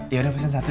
yaudah pesen satu ya